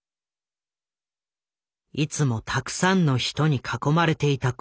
いつもたくさんの人に囲まれていた小松。